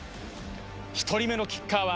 １人目のキッカーは。